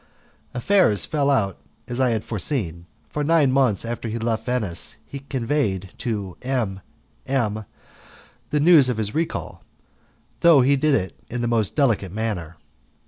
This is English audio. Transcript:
Affairs fell out as I had foreseen, for nine months after he left Venice he conveyed to M M the news of his recall, though he did it in the most delicate manner.